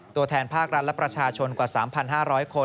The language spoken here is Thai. ตัวแทนภาครัฐและประชาชนกว่า๓๕๐๐คน